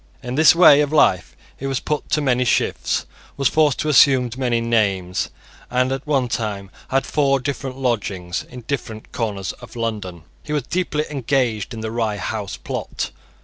In this way of life he was put to many shifts, was forced to assume many names, and at one time had four different lodgings in different corners of London. He was deeply engaged in the Rye House plot.